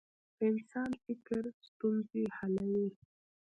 د انسان فکر ستونزې حلوي.